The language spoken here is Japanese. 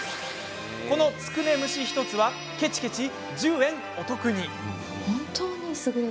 このつくね蒸し１つはけちけち１０円お得に。